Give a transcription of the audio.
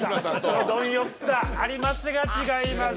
その貪欲さありますが違います！